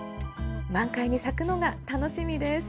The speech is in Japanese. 満開に咲くのが楽しみです。